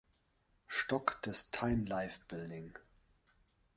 Stock des "Time-Life-Building".